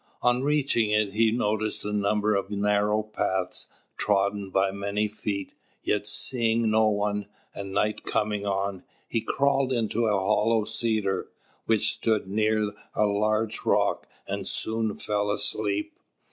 On reaching it, he noticed a number of narrow paths, trodden by many feet; yet seeing no one, and night coming on, he crawled into a hollow cedar which stood near a large rock, and soon fell asleep.